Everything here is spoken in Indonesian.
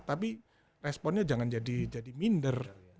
tapi responnya jangan jadi minder